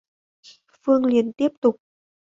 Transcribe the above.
Phương liền tiếp tục